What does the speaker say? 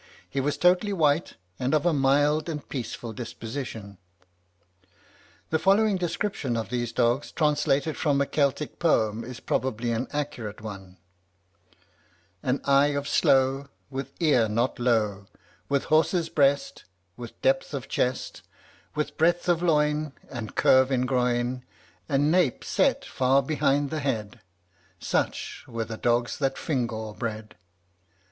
He was totally white, and of a mild and peaceable disposition." The following description of these dogs, translated from a Celtic poem, is probably an accurate one: "An eye of sloe, with ear not low, With horse's breast, with depth of chest, With breadth of loin, and curve in groin And nape set far behind the head Such were the dogs that Fingal bred."